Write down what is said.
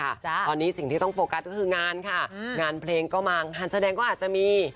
ตอนนี้สิ่งที่ต้องโฟกัสก็คืองานค่ะงานเพลงก็มางานแสดงก็อาจจะมี